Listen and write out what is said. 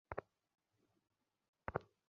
ওর মুখে মেখে দে।